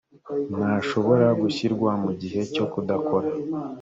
ntashobora gushyirwa mu gihe cyo kudakora